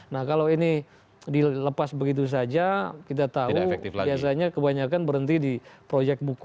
nah kalau ini dilepas begitu saja kita tahu biasanya kebanyakan berhenti di proyek buku